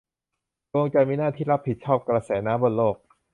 ดวงจันทร์มีหน้าที่รับผิดชอบกระแสน้ำบนโลก